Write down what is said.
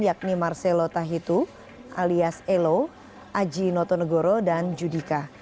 yakni marcelo tahitu alias elo aji notonegoro dan judika